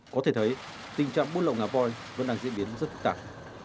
có thể thấy tình trạng buôn lậu ngả vòi vẫn đang diễn biến rất phức tạp